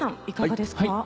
いかがですか？